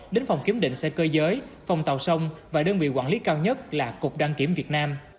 đến phòng kiểm định xe cơ giới phòng tàu sông và đơn vị quản lý cao nhất là cục đăng kiểm việt nam